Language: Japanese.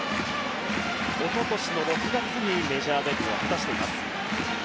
おととしの６月にメジャーデビューを果たしています。